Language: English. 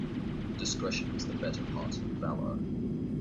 Discretion is the better part of valour.